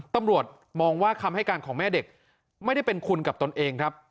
ตำรวจมองว่าคำให้การของแม่เด็กไม่ได้เป็นคุณกับตนเองครับ